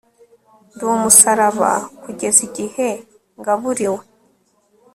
Ndi umusaraba kugeza igihe ngaburiwe